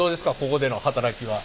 ここでの働きは。